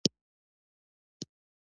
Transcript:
دوی ټولو حميد ته دعاوې کولې.